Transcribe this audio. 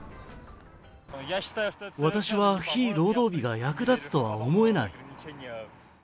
私は非労働日が役立つとは思えない。